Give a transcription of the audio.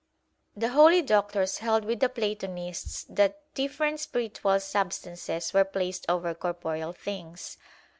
The holy doctors held with the Platonists that different spiritual substances were placed over corporeal things.